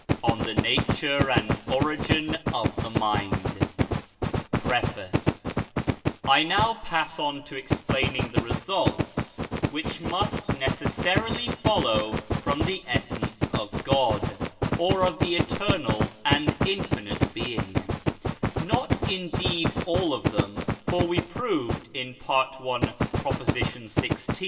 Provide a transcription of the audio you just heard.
ON THE NATURE AND ORIGIN OF THE MIND PREFACE I now pass on to explaining the results, which must necessarily follow from the essence of God, or of the eternal and infinite being; not, indeed, all of them (for we proved in Part i., Prop. xvi.